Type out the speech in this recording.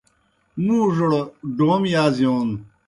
مُوڙوْڑ ڈوم یازِیون